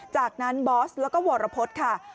จากนั้นบอสแล้วก็วรพฤษค่ะ